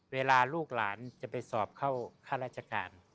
เวลาลูกหลานจะไปสอบเข้าข้าราชการ